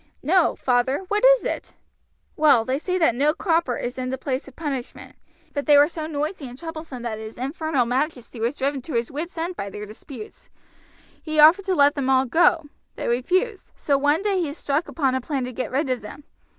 "No, father, what is it?" "Well, they say that no cropper is in the place of punishment. It was crowded with them at one time, but they were so noisy and troublesome that his infernal majesty was driven to his wits' end by their disputes. He offered to let them all go. They refused. So one day he struck upon a plan to get rid of them.